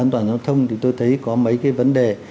an toàn giao thông thì tôi thấy có mấy cái vấn đề